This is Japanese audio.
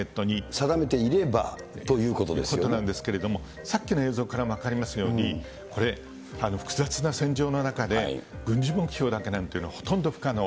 定めていればということですということなんですけれども、さっきの映像からも分かりますように、これ、複雑な戦場の中で、軍事目標だけなんというのはほとんど不可能。